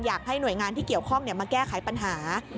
อยากให้หน่วยงานที่เกี่ยวข้องมาแก้ไขปัญหา